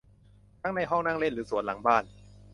ทั้งในห้องนั่งเล่นหรือสวนหลังบ้าน